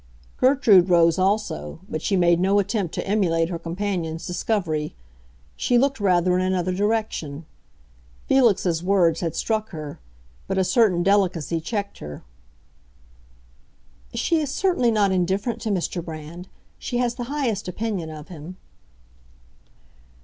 Gertrude rose also, but she made no attempt to emulate her companion's discovery; she looked rather in another direction. Felix's words had struck her; but a certain delicacy checked her. "She is certainly not indifferent to Mr. Brand; she has the highest opinion of him."